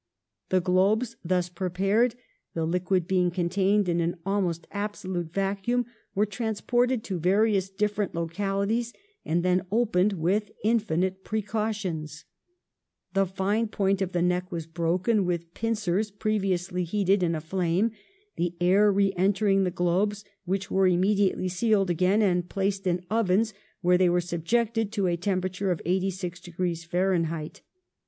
The globes thus prepared — the liquid being contained in an almost absolute vacuum — were transported to various different localities, and then opened with infinite precautions: the fine point of the neck was broken with pincers previously heated in a flame, the air re entered the globes, which were immediately sealed again and placed in ovens, where they were subjected to a tempera ture of 86 degrees Fahrenheit.